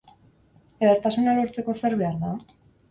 Edertasuna lortzeko, zer behar da?